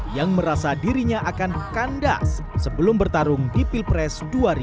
yang merasa dirinya akan kandas sebelum bertarung di pilpres dua ribu dua puluh empat